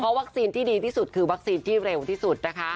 วัคซีนที่ดีที่สุดคือวัคซีนที่เร็วที่สุดนะคะ